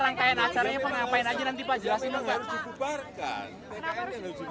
nanti kita jalan bersama ke depannya pak